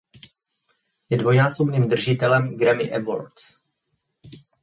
Je dvojnásobným držitelem Grammy Awards.